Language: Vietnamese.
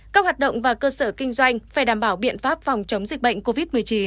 các hoạt động và cơ sở kinh doanh phải đảm bảo biện pháp phòng chống dịch bệnh covid một mươi chín